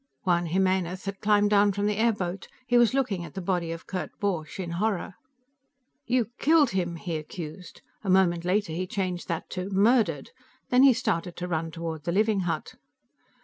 Juan Jimenez had climbed down from the airboat; he was looking at the body of Kurt Borch in horror. "You killed him!" he accused. A moment later, he changed that to "murdered." Then he started to run toward the living hut.